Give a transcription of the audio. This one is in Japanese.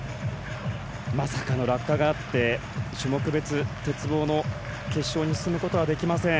まさかの落下があって、種目別鉄棒の決勝に進むことはできません。